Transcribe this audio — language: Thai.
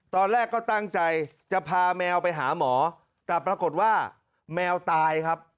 ตอนแรกก็ตั้งใจจะพาแมวไปหาหมอแต่ปรากฏว่าแมวตายครับ